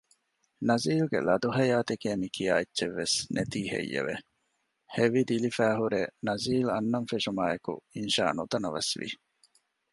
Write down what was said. ނަޒީލްގެ ލަދު ހަޔާތޭ މިކިޔާ އެއްޗެއްވެސް ނެތީ ހެއްޔެވެ؟ ހެވިދިލިފައި ހުރެ ނަޒީލް އަންނަން ފެށުމާއެކު އިންޝާ ނުތަނަވަސްވި